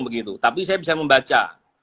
begitu tapi saya bisa membaca